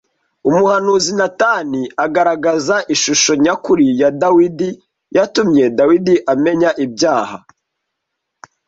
Umuhanuzi Natani agaragaza ishusho nyakuri ya Dawidi yatumye Dawidi amenya ibyaha